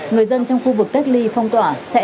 người dân trong khu vực cách ly phong tỏa sẽ